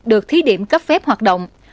được thí điểm cấp phép hoạt động